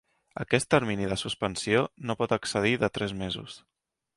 Aquest termini de suspensió no pot excedir de tres mesos.